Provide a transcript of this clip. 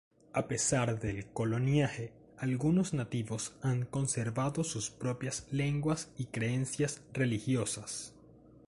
A pesar del coloniaje, algunos nativos han conservado sus propias lenguas y creencias religiosas.